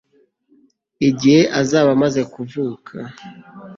igihe azaba amaze kuvuka